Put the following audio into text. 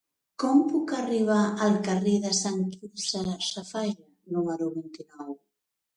Com puc arribar al carrer de Sant Quirze Safaja número vint-i-nou?